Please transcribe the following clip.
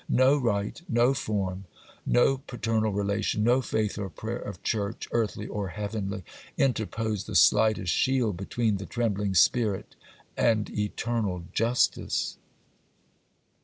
No rite, no form, no paternal relation, no faith or prayer of church, earthly or heavenly, interposed the slightest shield between the trembling spirit and Eternal Justice.